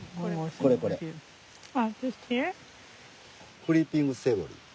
クリーピングセボリー。